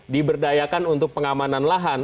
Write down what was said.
diberdayakan untuk pengamanan lahan